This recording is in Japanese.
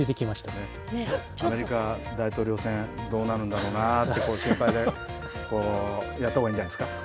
アメリカ大統領選、どうなるんだろうな？って心配でやったほうがいいんじゃないですか。